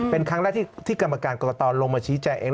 เป็นครั้งแรกที่กรกตลงมาชี้แจง